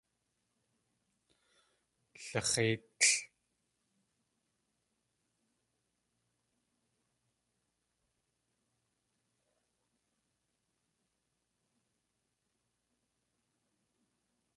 Lix̲éitl.